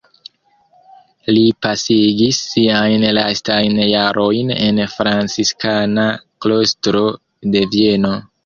Li pasigis siajn lastajn jarojn en franciskana klostro de Vieno.